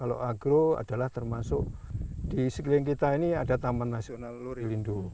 kalau agro adalah termasuk di sekeliling kita ini ada taman nasional lurilindo